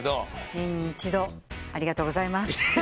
年に一度ありがとうございます。